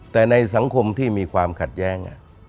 แต่ในสังคมที่มีความขัดแย้ง